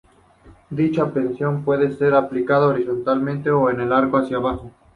Dicha presión puede ser aplicada horizontalmente o en arco hacia abajo.